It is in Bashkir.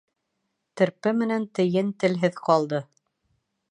Терпе менән тейен телһеҙ ҡалды.